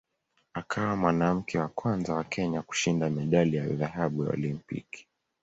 Akawa mwanamke wa kwanza wa Kenya kushinda medali ya dhahabu ya Olimpiki.